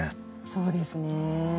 そうですね。